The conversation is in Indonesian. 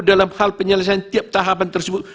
dalam hal penyelesaian tiap tahapan tersebut